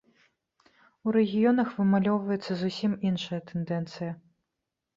У рэгіёнах вымалёўваецца зусім іншая тэндэнцыя.